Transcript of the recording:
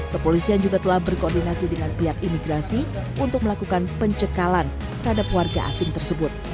kepolisian juga telah berkoordinasi dengan pihak imigrasi untuk melakukan pencekalan terhadap warga asing tersebut